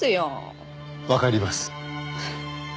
わかります。